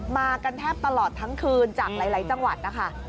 มากันแทบตลอดทั้งคืนจากหลายจังหวัดนะคะ